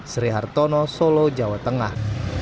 sri hartono solo jawa tengah